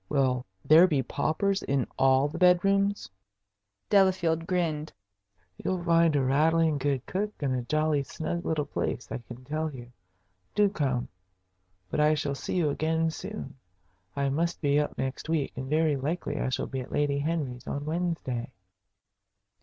Will there be paupers in all the bedrooms?" Delafield grinned. "You'll find a rattling good cook and a jolly snug little place, I can tell you. Do come. But I shall see you again soon. I must be up next week, and very likely I shall be at Lady Henry's on Wednesday."